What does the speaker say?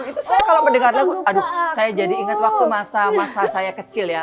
itu saya kalau mendengar lagu aduh saya jadi ingat waktu masa masa saya kecil ya